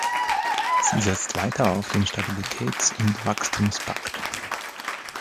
Sie setzt weiter auf den Stabilitäts- und Wachstumspakt.